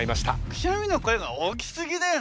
くしゃみの声が大きすぎだよね。